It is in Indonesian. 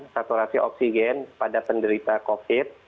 saturasi oksigen pada penderita covid sembilan belas